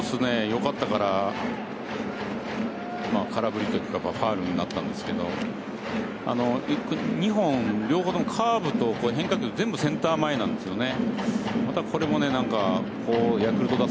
よかったからファウルになったんですけど２本、両方ともカーブと変化球全部センター前なんですよね。